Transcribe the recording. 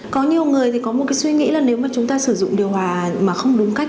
có nhiều người thì có một cái suy nghĩ là nếu mà chúng ta sử dụng điều hòa mà không đúng cách